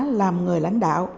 nhất là những người lãnh đạo